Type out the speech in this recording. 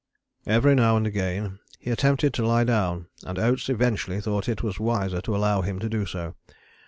"Every now and again he attempted to lie down, and Oates eventually thought it was wiser to allow him to do so.